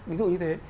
ví dụ như thế